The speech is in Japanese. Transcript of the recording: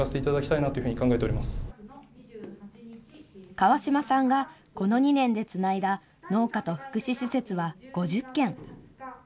川島さんがこの２年でつないだ農家と福祉施設は５０件。